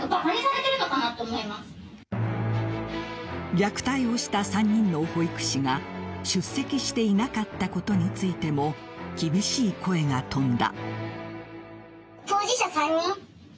虐待をした３人の保育士が出席していなかったことについても厳しい声が飛んだ。